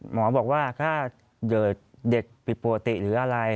หมอบอกว่าถ้าเกิดเด็กผิดปกติหรืออะไร